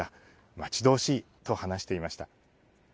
待ち遠しいと話していました。